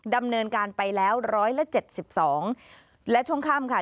ดำเนินการไปแล้ว๑๗๒และช่วงข้ามค่ะ